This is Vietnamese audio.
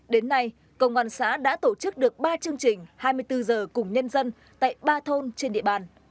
đến nay công an xã đã tổ chức được ba chương trình hai mươi bốn h cùng nhân dân tại ba thôn trên địa bàn